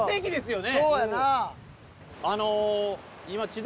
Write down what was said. そうやな。